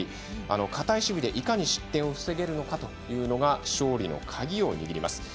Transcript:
堅い守備でいかに失点を防げるのかというのが勝利の鍵を握ります。